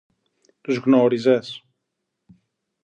Τους γνώριζες;